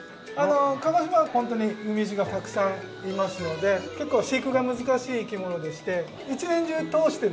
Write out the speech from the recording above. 鹿児島ホントにウミウシがたくさんいますので結構飼育が難しい生き物でして一年中通してですね